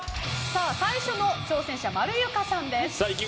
最初のまるゆかさんです。